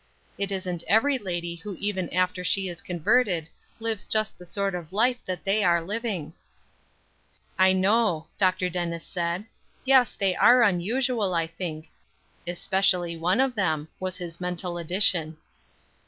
It isn't every lady who even after she is converted, lives just the sort of life that they are living." "I know," Dr. Dennis said; "Yes, they are unusual, I think; especially one of them," was his mental addition.